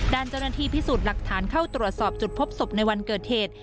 ด้านเจ้าหน้าที่พิสูจน์หลักฐานเข้าตรวจสอบจุดพบศพในวันเกิดเหตุ